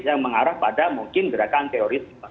yang mengarah pada mungkin gerakan teoris